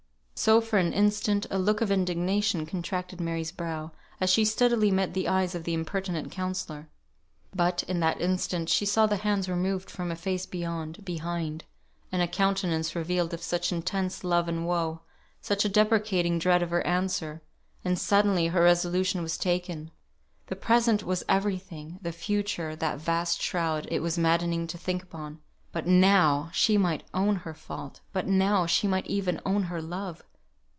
So, for an instant, a look of indignation contracted Mary's brow, as she steadily met the eyes of the impertinent counsellor. But, in that instant, she saw the hands removed from a face beyond, behind; and a countenance revealed of such intense love and woe, such a deprecating dread of her answer; and suddenly her resolution was taken. The present was everything; the future, that vast shroud, it was maddening to think upon; but now she might own her fault, but now she might even own her love.